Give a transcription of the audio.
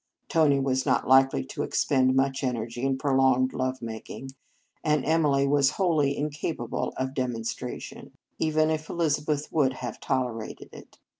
Tony was not likely to expend much energy in prolonged love making, and Emily was wholly incapable of de monstration, even if Elizabeth would have tolerated it.